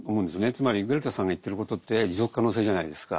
つまりグレタさんが言ってることって持続可能性じゃないですか。